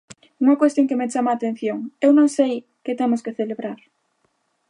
Unha cuestión que me chama a atención: ¿eu non sei que temos que celebrar?